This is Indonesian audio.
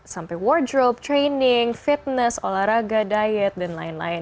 sampai wardrobe training fitness olahraga diet dan lain lain